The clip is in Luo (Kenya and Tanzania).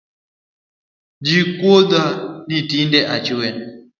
Ji kuodha ni tinde achue.